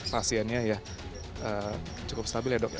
pasiennya ya cukup stabil ya dok ya